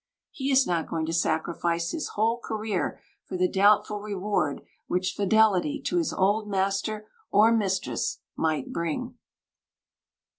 He is not going to sacrifice his whole career for the doubtful reward which fidelity to his old master or mistress might bring.